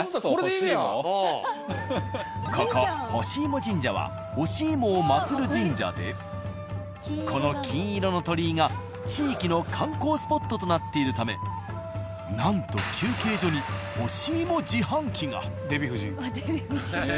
ここほしいも神社は干し芋を祭る神社でこの金色の鳥居が地域の観光スポットとなっているためなんとデヴィ夫人。